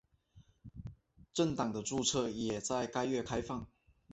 政党的注册也在该月开放。